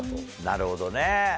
なるほどね。